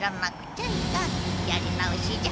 やり直しじゃ。